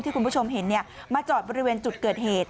คุณผู้ชมเห็นมาจอดบริเวณจุดเกิดเหตุ